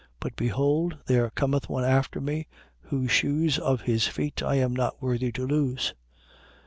But behold, there cometh one after me, whose shoes of his feet I am not worthy to loose.